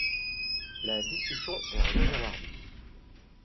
La discussion est remise à mardi.